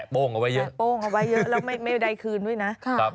แปะโป้งเอาไว้เยอะแล้วไม่ได้คืนด้วยนะ